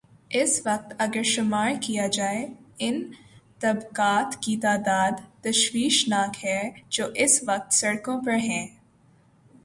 اس وقت اگر شمارکیا جائے، ان طبقات کی تعداد تشویش ناک ہے جو اس وقت سڑکوں پر ہیں۔